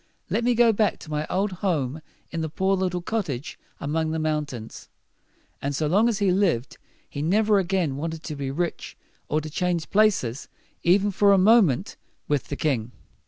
Let me go back to my old home in the poor little cot tage among the mountains." And so long as he lived, he never again wanted to be rich, or to change places, even for a moment, with the king.